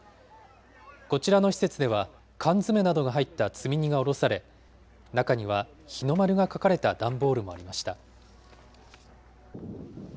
こちらの施設では缶詰などが入った積み荷が降ろされ、中には日の丸が書かれた段ボールもありました。